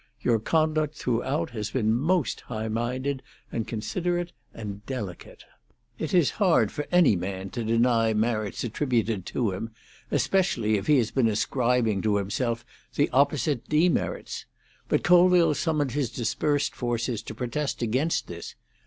Your conduct throughout has been most high minded and considerate and delicate." It is hard for any man to deny merits attributed to him, especially if he has been ascribing to himself the opposite demerits. But Colville summoned his dispersed forces to protest against this.